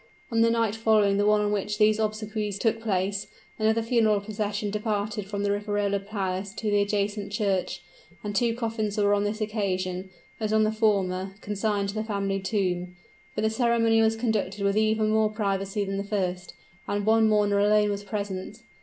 On the night following the one on which these obsequies took place, another funeral procession departed from the Riverola Palace to the adjacent church; and two coffins were on this occasion, as on the former, consigned to the family tomb. But the ceremony was conducted with even more privacy than the first; and one mourner alone was present.